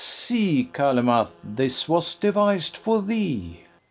See, Calymath! this was devis'd for thee.